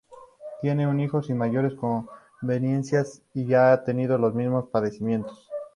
Tiene un hijo sin mayores conveniencias y ha tenido los mismos padecimientos.